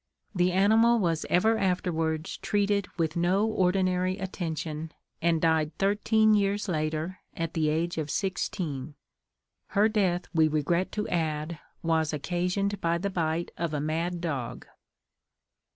The animal was ever afterwards treated with no ordinary attention, and died thirteen years later, at the age of sixteen. Her death, we regret to add, was occasioned by the bite of a mad dog.